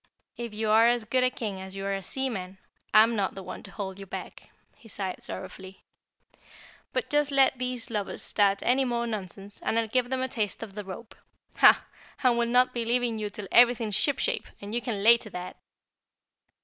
"If you're as good a King as you are a seaman, I'm not the one to hold you back," he sighed sorrowfully. "But just let these lubbers start any more nonsense and I'll give them a taste of the rope. HAH! And we'll not be leaving you till everything's shipshape, and you can lay to that!"